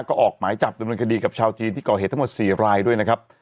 ก็ออกหมายจับดำเนินคดีกับชาวจีนที่ก่อเหตุทั้งหมด๔รายด้วยนะครับ